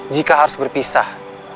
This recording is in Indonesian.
jika harus berpisah